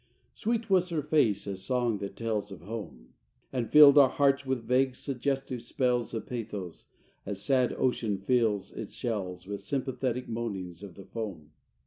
VI Sweet was her face as song that tells of home; And filled our hearts with vague, suggestive spells Of pathos, as sad ocean fills its shells With sympathetic moanings of the foam.